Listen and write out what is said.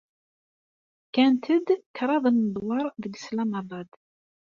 Kkant kraḍt n ledwaṛ deg Islamabad.